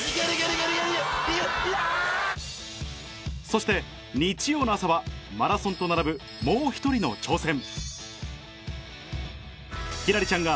そして日曜の朝はマラソンと並ぶもう一人の挑戦